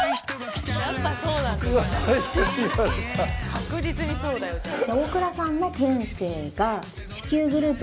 確実にそうだよ。だけど。